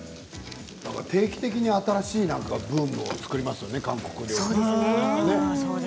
定期的に新しいブームを作りますよね、韓国料理はね。